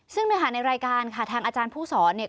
ซึ่งเนื้อหาในรายการค่ะทางอาจารย์ผู้สอนเนี่ย